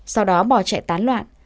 sau đó bỏ chạy tán loạn